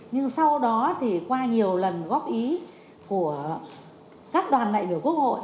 nhưng sau đó thì qua nhiều lần góp ý của các đoàn lệnh của quốc hội